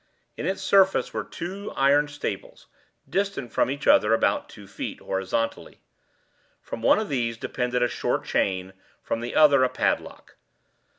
In its surface were two iron staples, distant from each other about two feet, horizontally. From one of these depended a short chain, from the other a padlock.